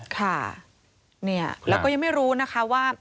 ค่ะเนี่ยแล้วก็ยังไม่รู้นะคะว่า